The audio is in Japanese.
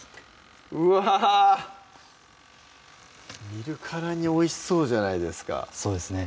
見るからにおいしそうじゃないですかそうですね